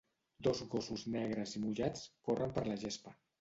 Dos gossos negres i mullats corren per la gespa.